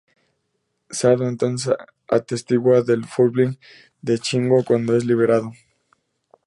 Sado entonces atestigua el Fullbring de Ichigo cuando es liberado.